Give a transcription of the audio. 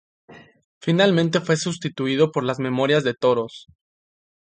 Finalmente fue sustituido por las memorias de toros.